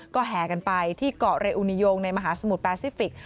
ก็แห่กันไปที่เกาะเรอูนิโยงในมหาสมุทรแปซิฟิกส